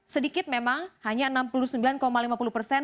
sedikit memang hanya enam puluh sembilan lima puluh persen